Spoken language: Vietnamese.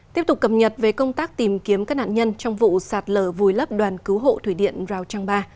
tiếp tục cập nhật về công tác tìm kiếm các nạn nhân trong vụ sạt lở vùi lấp đoàn cứu hộ thủy điện rào trăng ba